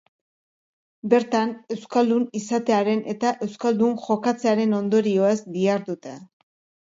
Bertan, euskaldun izatearen eta euskaldun jokatzearen ondorioez dihardute.